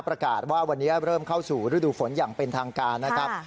ประกาศว่าวันนี้เริ่มเข้าสู่ฤดูฝนอย่างเป็นทางการนะครับ